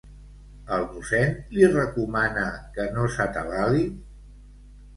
El mossèn li recomana que no s'atabali?